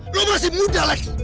lo masih muda lagi